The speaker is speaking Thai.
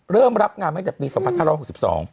เริ่มรับงานมาตั้งแต่ปี๒๕๖๒